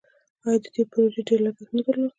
آیا دې پروژې ډیر لګښت نه درلود؟